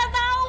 mita nggak tahu